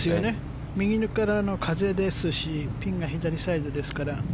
右からの風ですしピンが左サイドですから。